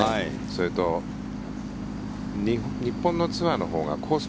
それと日本のツアーのほうがコース